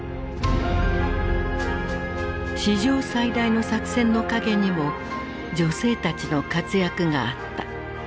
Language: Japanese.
史上最大の作戦の陰にも女性たちの活躍があった。